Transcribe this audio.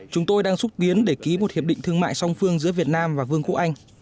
chúng tôi đang xúc tiến để ký một hiệp định thương mại song phương giữa việt nam và vương quốc anh